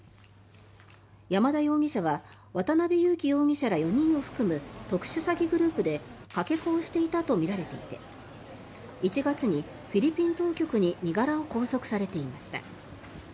山田容疑者は渡邉優樹容疑者ら４人を含む特殊詐欺グループでかけ子をしていたとみられていて１月にフィリピン当局に身柄を拘束されていました。